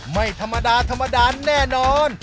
ไม่ธรรมดาแน่นอน